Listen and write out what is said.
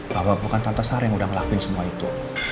bahwa bukan tante sar yang udah ngelakuin semua itu